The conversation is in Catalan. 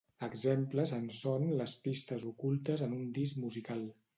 Exemples en són les pistes ocultes en un disc musical.